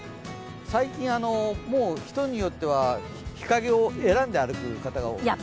最近、人によっては日陰を選んで歩く方もいますね。